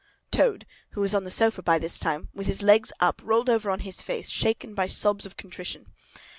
Toad, who was on the sofa by this time, with his legs up, rolled over on his face, shaken by sobs of contrition.